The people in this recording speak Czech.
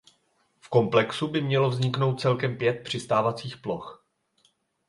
V komplexu by mělo vzniknout celkem pět přistávacích ploch.